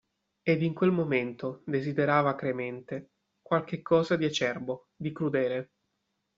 Ed in quel momento desiderava acremente qualche cosa di acerbo, di crudele.